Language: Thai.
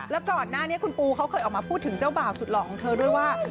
แล้วก่อนหน้านี้คุณปูเขาเคยออกมาพูดถึงเจ้าบ่าวสุดหล่อของเธอด้วยว่า